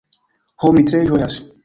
Ho, mi tre ĝojas.